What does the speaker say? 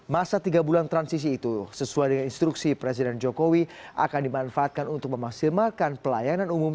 masa tiga bulan transisi itu sesuai dengan instruksi presiden jokowi akan dimanfaatkan untuk memaksimalkan pelayanan umum